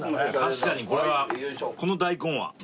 確かにこれはこの大根はドリンク。